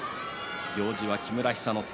行司は木村寿之介。